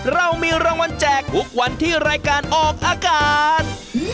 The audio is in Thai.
เรามีรางวัลแจกทุกวันที่รายการออกอากาศ